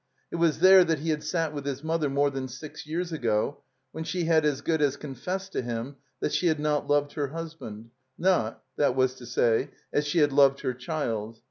It was there that he had sat with his mother more than six years ago, when she had as good as confessed to him that she had not loved her husband; not, that was to say, as she had loved her child.